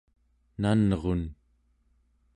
nanrun